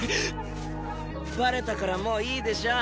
バレたからもういいでしょ？